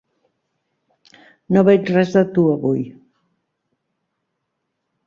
No veig res de tu avui.